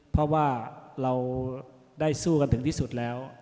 เพราะว่าเราได้สู้กันถึงที่สุดแล้ว